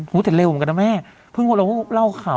แต่เร็วเหมือนกันนะแม่เพิ่งคนเราเพิ่งเล่าข่าว